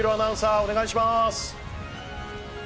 お願いします。